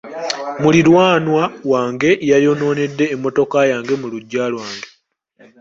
Muliraanwa wange yayonoonedde emmotoka yange mu luggya lwange.